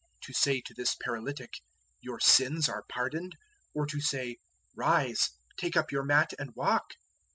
to say to this paralytic, 'Your sins are pardoned,' or to say, 'Rise, take up your mat, and walk?'